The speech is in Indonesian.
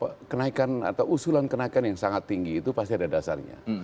tapi kembali kepada usulan kenaikan yang sangat tinggi itu pasti ada dasarnya